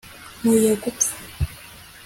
nkwiye gupfa